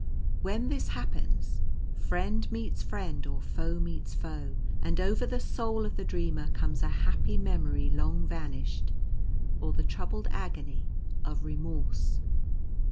When this happens, friend meets friend or foe meets foe; and over the soul of the dreamer comes a happy memory long vanished, or the troubled agony of remorse.